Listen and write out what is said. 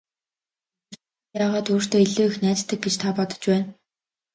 Удирдагчид яагаад өөртөө илүү их найддаг гэж та бодож байна?